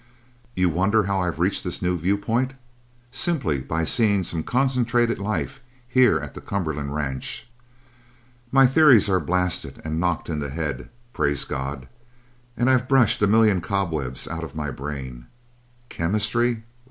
"You wonder how I've reached the new viewpoint? Simply by seeing some concentrated life here at the Cumberland ranch. My theories are blasted and knocked in the head praise God! and I've brushed a million cobwebs out of my brain. Chemistry?